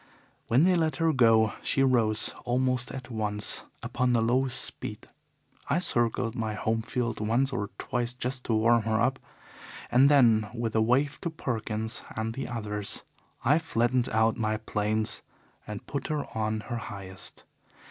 When they let her go she rose almost at once upon the lowest speed. I circled my home field once or twice just to warm her up, and then with a wave to Perkins and the others, I flattened out my planes and put her on her highest.